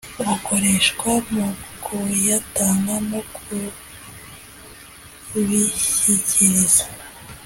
Bukoreshwa mu kuyatanga no kubishyikiriza